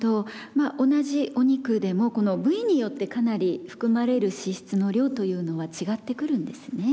まあ同じお肉でもこの部位によってかなり含まれる脂質の量というのは違ってくるんですね。